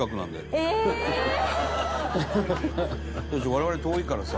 我々遠いからさ。